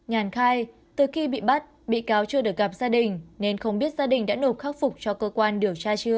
nhàn khai từ khi bị bắt bị cáo chưa được gặp gia đình nên không biết gia đình đã nộp khắc phục cho cơ quan điều tra chưa